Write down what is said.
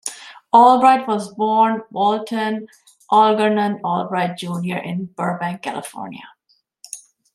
Albright was born Walton Algernon Albright, Junior in Burbank, California.